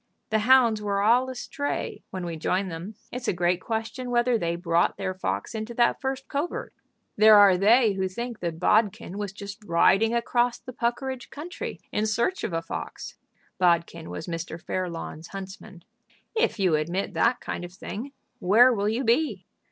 The hounds were all astray when we joined them. It's a great question whether they brought their fox into that first covert. There are they who think that Bodkin was just riding across the Puckeridge country in search of a fox." Bodkin was Mr. Fairlawn's huntsman. "If you admit that kind of thing, where will you be?